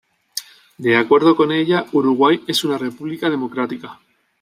De acuerdo con ella, Uruguay es una república democrática.